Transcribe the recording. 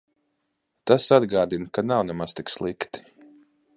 Tas atgādina, ka nav nemaz tik slikti.